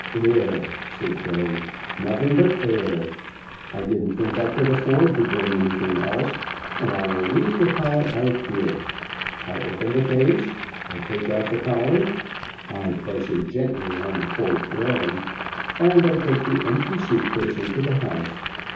"Air," said Billy. "Nothing but air. I didn't think I could afford to bring anything else, and I will leave the collar out here. I open the case I take out the collar I place it gently on the porch railing and I take the empty suit case into the house.